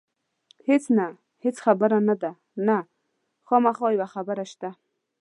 هېڅ نه، هېڅ خبره نه ده، نه، خامخا یوه خبره شته.